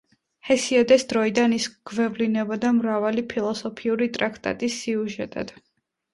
ჰესიოდეს დროიდან ის გვევლინებოდა მრავალი ფილოსოფიური ტრაქტატის სიუჟეტად.